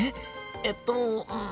えっとうん。